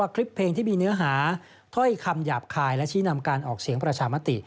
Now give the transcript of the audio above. คลิปเพลงที่มีเนื้อหาถ้อยคำหยาบคายและชี้นำการออกเสียงประชามติ